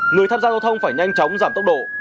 người tham gia giao thông phải nhanh chóng giảm tốc độ